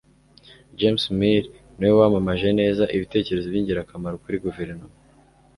James Mill niwe wamamaje neza ibitekerezo byingirakamaro kuri guverinoma